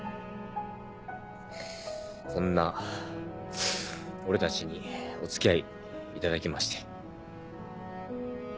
こんな俺たちにお付き合いいただきまして。